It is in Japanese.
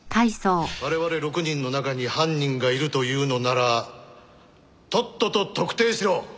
我々６人の中に犯人がいると言うのならとっとと特定しろ。